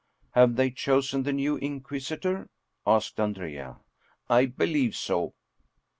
" Have they chosen the new Inquisitor? " asked Andrea. " I believe so."